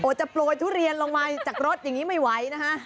จะโปรยทุเรียนลงมาจากรถอย่างนี้ไม่ไหวนะฮะ